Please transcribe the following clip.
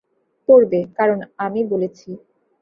পরবে, কারণ আমি বলেছি।